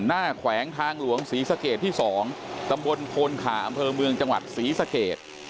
แขวงทางหลวงศรีสะเกดที่๒ตำบลโพนขาอำเภอเมืองจังหวัดศรีสเกต